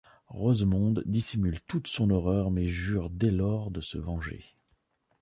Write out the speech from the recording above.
Rosemonde dissimule toute son horreur mais jure dès lors de se venger.